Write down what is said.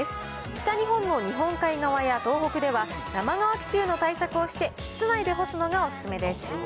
北日本の日本海側や東北では、生乾き臭の対策をして室内で干すのがお勧めです。